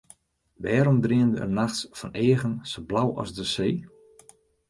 Wêrom dreamde er nachts fan eagen sa blau as de see?